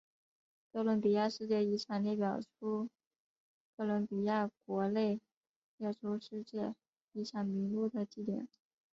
哥伦比亚世界遗产列表列出哥伦比亚国内列入世界遗产名录的地点。